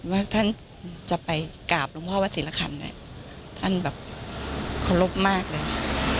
ว่าท่านจะไปกราบหลวงพ่อวัฒนศิลขันธ์ท่านแบบคลบมากเลย